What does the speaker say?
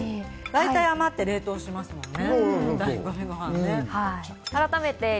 大体あまって冷凍しますもんね。